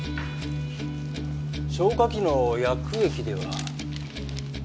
消火器の薬液では？